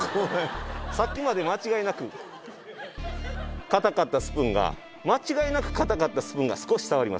さっきまで間違いなく硬かったスプーンが間違いなく硬かったスプーンが少し触ります。